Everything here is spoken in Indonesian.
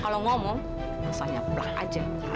kalau ngomong rasanya plak aja